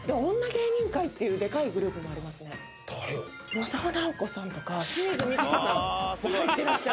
野沢直子さんとか清水ミチコさんも入ってらっしゃる。